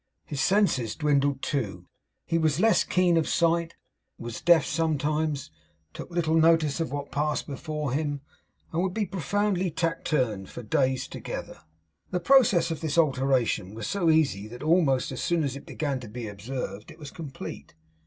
His senses dwindled too. He was less keen of sight; was deaf sometimes; took little notice of what passed before him; and would be profoundly taciturn for days together. The process of this alteration was so easy that almost as soon as it began to be observed it was complete.